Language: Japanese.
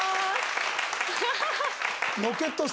ハハハハ！